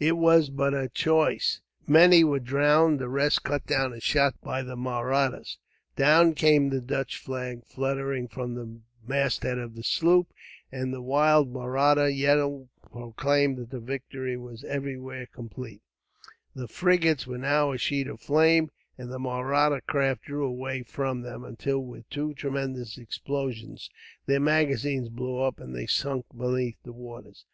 It was but a choice. Many were drowned, the rest cut or shot down by the Mahrattas. Down came the Dutch flag, fluttering from the masthead of the sloop, and the wild Mahratta yell proclaimed that the victory was everywhere complete. The frigates were now a sheet of flames, and the Mahratta craft drew away from them; until, with two tremendous explosions, their magazines blew up and they sank beneath the waters.